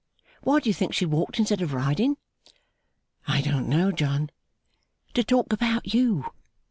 Why do you think she walked instead of riding?' 'I don't know, John.' 'To talk about you.